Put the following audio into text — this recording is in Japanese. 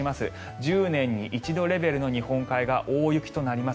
１０年に一度レベルの日本海側大雪となります。